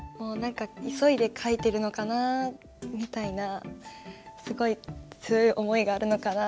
「急いで書いてるのかな」みたいな「すごい強い思いがあるのかな」